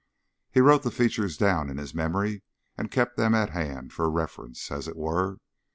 He wrote the features down in his memory and kept them at hand for reference, as it were.